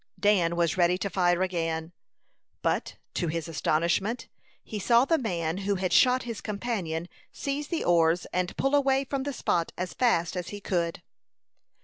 Dan was ready to fire again; but, to his astonishment, he saw the man who had shot his companion seize the oars and pull away from the spot as fast as he could.